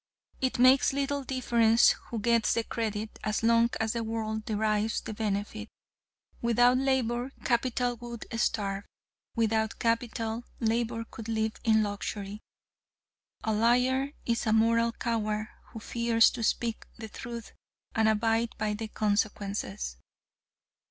It makes little difference who gets the credit, as long as the world derives the benefit. Without Labor, Capital would starve; without Capital, Labor could live in luxury. A liar is a moral coward who fears to speak the truth and abide by the consequences.